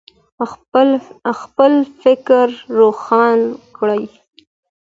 خپل فکر روښانه کړئ.